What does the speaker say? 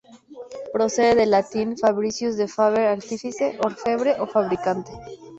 Procede del latín "Fabricius", de "faber": artífice, orfebre o fabricante.